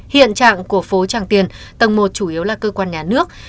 hiện trạng của phố tràng tiền tầng một chủ yếu là cơ quan nhà nước